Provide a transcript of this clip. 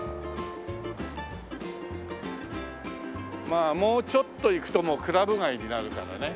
まあもうちょっと行くともうクラブ街になるからね。